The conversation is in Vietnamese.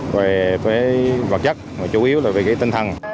về vật chất chủ yếu là về tinh thần